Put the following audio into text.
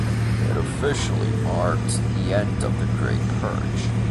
It officially marked the end of the Great Purge.